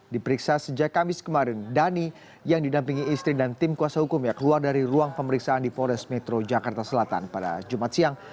diperiksa sejak kamis kemarin dhani yang didampingi istri dan tim kuasa hukumnya keluar dari ruang pemeriksaan di polres metro jakarta selatan pada jumat siang